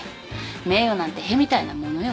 名誉なんてへみたいなものよ。